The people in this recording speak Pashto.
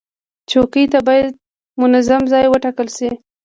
چوکۍ ته باید منظم ځای وټاکل شي.